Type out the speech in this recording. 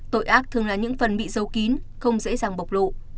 tội ác thường là những phần bị dấu kín không dễ dàng bộc lộ